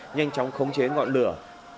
nhanh chóng khống chế ngọn lửa